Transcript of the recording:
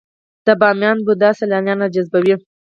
د بامیان بودا سیلانیان راجذبوي؟